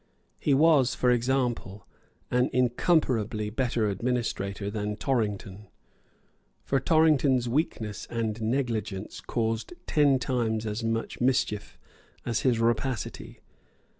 He was, for example, an incomparably better administrator than Torrington. For Torrington's weakness and negligence caused ten times as much mischief as his rapacity.